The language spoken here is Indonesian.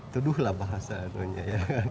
tuduhlah bahasa dunia ya